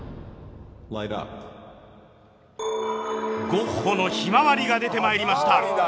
ゴッホの「ひまわり」が出てまいりました。